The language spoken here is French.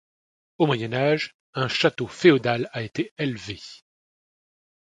Au Moyen Âge, un château féodal a été élevé.